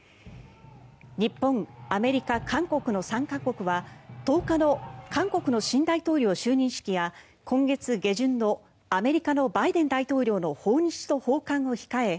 日本、アメリカ、韓国の３か国は１０日の韓国新大統領就任式や今月下旬のアメリカのバイデン大統領の訪日と訪韓を控え